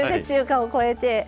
中華を越えて。